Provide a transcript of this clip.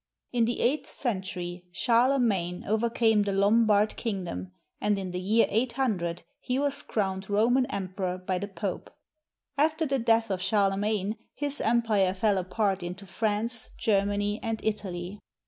In the eighth century, Charlemagne overcame the Lombard Kingdom, and in the year 800 he was crowned Roman Emperor by the Pope. After the death of Charlemagne his empire fell apart into France, Germany, and Italy.